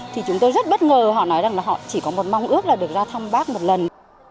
thì chúng tôi rất bất ngờ họ nói rằng là họ chỉ có một mong ước là được ra thăm bác một lần